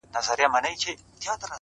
چي به شپه ورباندي تېره ورځ به شپه سوه٫